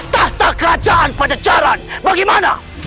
tahta kerajaan pacejaran bagaimana